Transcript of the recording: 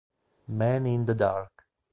Man in the Dark